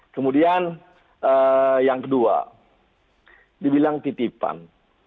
kemudian yang kedua dibilang titipan